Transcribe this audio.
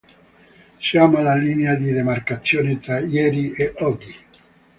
Siamo alla linea di demarcazione tra "ieri" e "oggi".